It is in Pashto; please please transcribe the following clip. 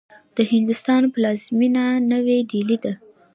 د هندوستان پلازمېنه نوې ډيلې دې.